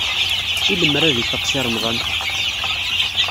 I lemmer ad ifaq Si Remḍan?